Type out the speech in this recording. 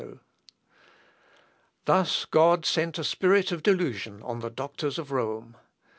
] Thus God sent a spirit of delusion on the doctors of Rome.